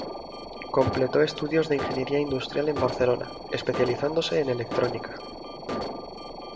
Completó estudios de ingeniería industrial en Barcelona, especializándose en electrónica.